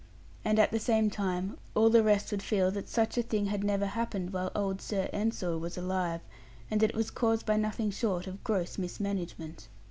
And at the same time, all the rest would feel that such a thing had never happened, while old Sir Ensor was alive; and that it was caused by nothing short of gross mismanagement.